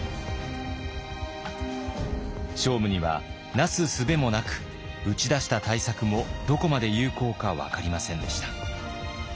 聖武にはなすすべもなく打ち出した対策もどこまで有効か分かりませんでした。